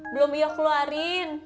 belum iyoh keluarin